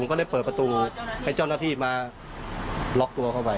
ก็เลยเปิดประตูให้เจ้าหน้าที่มาล็อกตัวเข้าไป